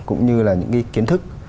cũng như là những kiến thức